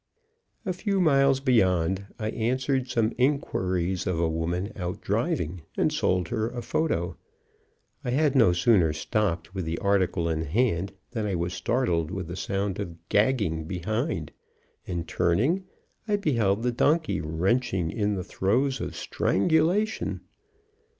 A few miles beyond I answered some inquiries of a woman out driving, and sold her a photo. I had no sooner stopped with the article in hand than I was startled with the sound of gagging behind, and turning, I beheld the donkey wrenching in the throes of strangulation.